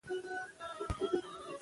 د سردارو ګروپ مشراني ختمه سوې ده.